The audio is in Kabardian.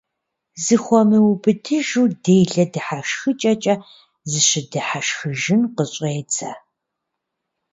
Зыхуэмыубыдыжу делэ дыхьэшхыкӀэкӀэ зыщыдыхьэшхыжын къыщӀедзэ.